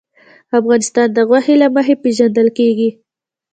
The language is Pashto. افغانستان د غوښې له مخې پېژندل کېږي.